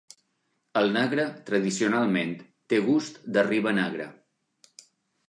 El negre tradicionalment té gust de riba negra.